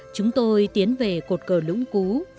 chúng tôi tiến về cột cờ lũng cú